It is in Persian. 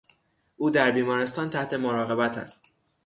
او در بیمارستان تحت مراقبت است.